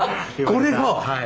これが。